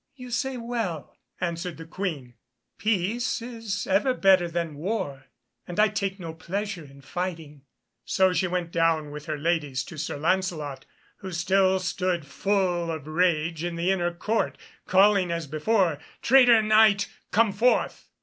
"You say well," answered the Queen. "Peace is ever better than war, and I take no pleasure in fighting." So she went down with her ladies to Sir Lancelot, who still stood full of rage in the inner court, calling as before "Traitor Knight, come forth!"